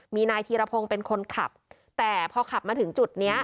มีนายธีรพงศ์เป็นคนขับแต่พอขับมาถึงจุดเนี้ย